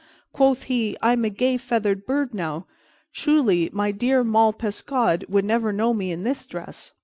Quoth he, "I am a gay feathered bird now. Truly, my dear Moll Peascod would never know me in this dress.